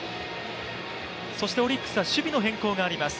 そしてオリックスは守備の変更があります。